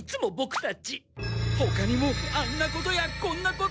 ほかにもあんなことやこんなこと！